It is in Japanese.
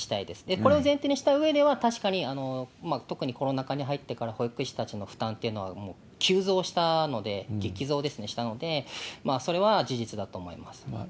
これを前提にしたうえでは、確かに、特にコロナ禍に入ってから、保育士たちの負担っていうのは、もう急増したので、激増したので、それは事実だと思いますね。